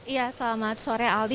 ya selamat sore aldi